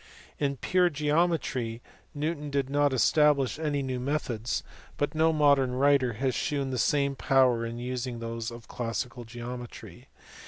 In pure geometry, Newton did not establish any new methods, but no modern writer has shewn the same power in using those of classical geometry.